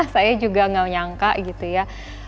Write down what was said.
saya juga gak nyangka gitu ya